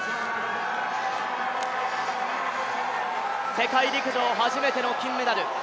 世界陸上初めての金メダル。